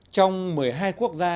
trong một mươi hai quốc gia